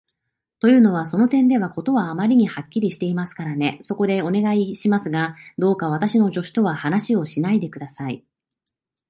というのは、その点では事はあまりにはっきりしていますからね。そこで、お願いしますが、どうか私の助手とは話をしないで下さい。